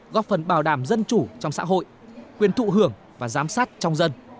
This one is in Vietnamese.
góp phần bảo đảm dân chủ trong xã hội quyền thụ hưởng và giám sát trong dân